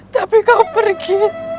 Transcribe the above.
tapi kau pergi